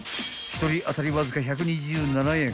［１人当たりわずか１２７円］